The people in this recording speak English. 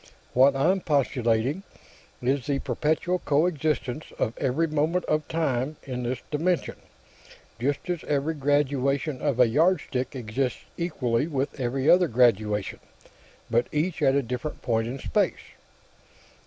What I'm postulating is the perpetual coexistence of every moment of time in this dimension, just as every graduation on a yardstick exists equally with every other graduation, but each at a different point in space."